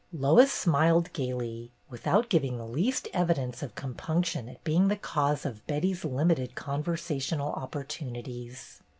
Lois smiled gayly, without giving the least evidence of compunction at being the cause of Betty's limited conversational opportunities.